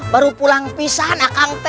baru pulang pisah nak kante